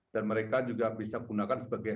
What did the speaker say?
dan mereka juga bisa gunakan sebagai